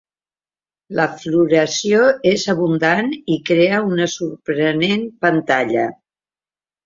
La floració és abundant i crea una sorprenent pantalla.